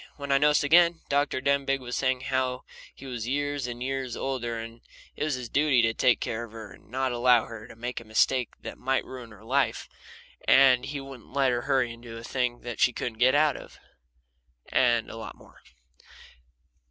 When I noticed again, Dr. Denbigh was saying how he was years and years older, and it was his duty to take care of her and not allow her to make a mistake that might ruin her life, and he wouldn't let her hurry into a thing she couldn't get out of, and a lot more.